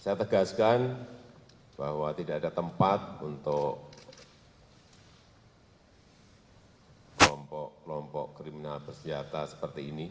saya tegaskan bahwa tidak ada tempat untuk kelompok kelompok kriminal bersenjata seperti ini